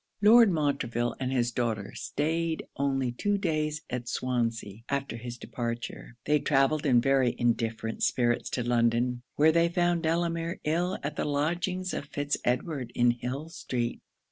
Lord Montreville and his daughter staid only two days at Swansea after his departure. They travelled in very indifferent spirits to London; where they found Delamere ill at the lodgings of Fitz Edward in Hill street.